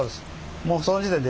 もうその時点で。